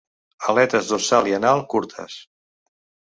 Aletes dorsal i anal curtes.